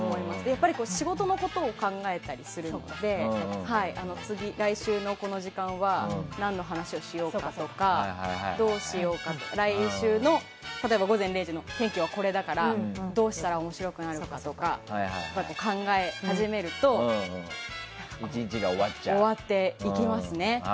やっぱり仕事のことを考えたりするので来週のこの時間は何の話をしようかとかどうしようかとか来週の例えば「午前０時」の天気はこれだからどうしたら面白くなるかとかって考え始めると１日が終わっていきますね。